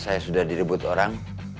saya sudah direbut orang